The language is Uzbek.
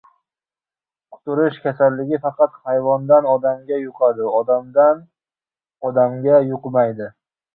Quturish kasalligi faqat hayvondan odamga yuqadi, odamdan odamga yuqmaydi